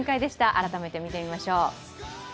改めてみてみましょう。